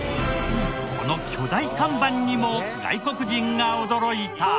この巨大看板にも外国人が驚いた！